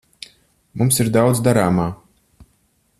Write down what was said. Mums ir daudz darāmā.